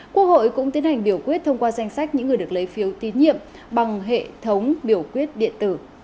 quốc hội cũng tiến hành biểu quyết thông qua danh sách những người được lấy phiếu tín nhiệm bằng hệ thống biểu quyết điện tử